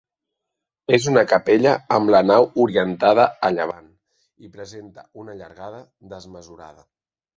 ÉS una capella amb la nau orientada a llevant i presenta una llargada desmesurada.